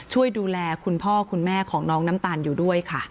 ช่วยดูแลคุณพ่อคุณแม่ของน้องน้ำตาลอยู่ด้วยค่ะ